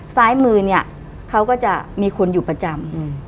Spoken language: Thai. ซ้ายมือเนี่ยเขาก็จะมีคนอยู่ประจำ